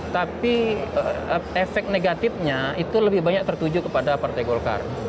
tapi efek negatifnya itu lebih banyak tertuju kepada partai golkar